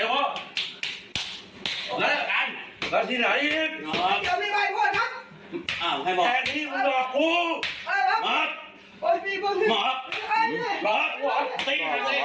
โปรดติดตามตอนต่อไป